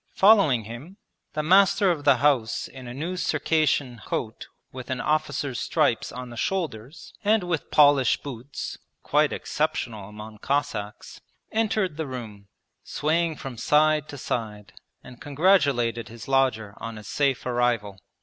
Following him, the master of the house in a new Circassian coat with an officer's stripes on the shoulders and with polished boots (quite exceptional among Cossacks) entered the room, swaying from side to side, and congratulated his lodger on his safe arrival.